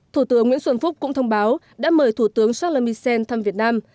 thủ tướng nguyễn xuân phúc cũng thông báo đã mời thủ tướng charles misen thăm việt nam